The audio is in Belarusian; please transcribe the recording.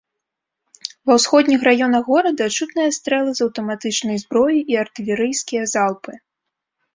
Ва ўсходніх раёнах горада чутныя стрэлы з аўтаматычнай зброі і артылерыйскія залпы.